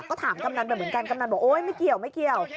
ก็ถามกำนันแบบเหมือนกันกำนันบอกโอ๊ยไม่เกี่ยว